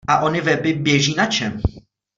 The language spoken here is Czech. A ony weby běží na čem?